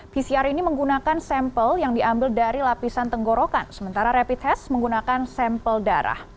pcr ini menggunakan sampel yang diambil dari lapisan tenggorokan sementara rapid test menggunakan sampel darah